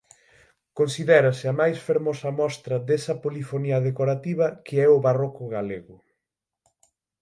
Considérase ""a máis fermosa mostra desa polifonía decorativa que é o barroco galego"".